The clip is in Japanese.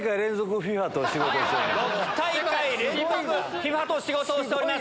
ＦＩＦＡと仕事をしております。